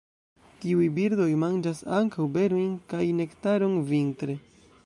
Tiuj birdoj manĝas ankaŭ berojn kaj nektaron vintre.